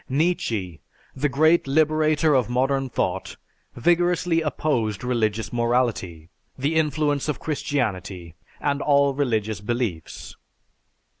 Nietzsche, the great liberator of modern thought, vigorously opposed religious morality, the influence of Christianity, and all religious beliefs.